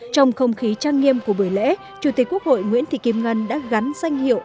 trong không khí trang nghiêm của buổi lễ chủ tịch quốc hội nguyễn thị kim ngân đã gắn danh hiệu